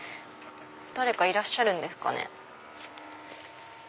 誰かいらっしゃるんですかね？